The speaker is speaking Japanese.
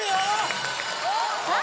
さあ